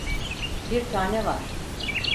Bir tane var.